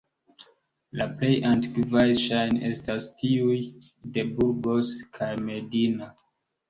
La plej antikvaj ŝajne estas tiuj de Burgos kaj Medina.